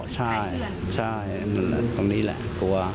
ใช่ตรงนี้แหละกลัว